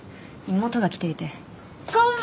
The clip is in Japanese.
妹が来ていて。